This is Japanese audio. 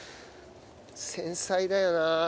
繊細だよな。